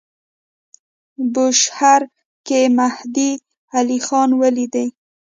بوشهر کې مهدی علیخان ولیدی.